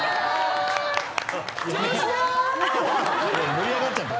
盛り上がっちゃった。